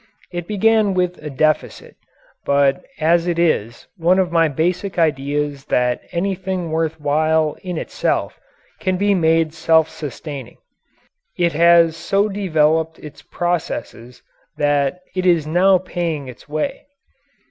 It began with a deficit, but as it is one of my basic ideas that anything worth while in itself can be made self sustaining, it has so developed its processes that it is now paying its way.